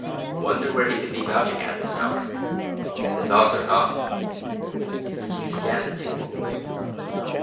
"Wonder where he can be mouching at this hour. The dogs are gone." He scanned the table.